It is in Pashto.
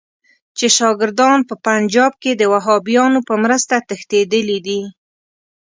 چې شاګردان په پنجاب کې د وهابیانو په مرسته تښتېدلي دي.